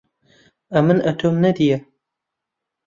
ئەمن ئەتۆم نەدییە